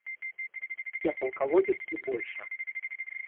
Я полководец и больше.